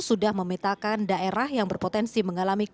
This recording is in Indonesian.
sudah memetakan daerah yang berpotensi mengalami kesulitan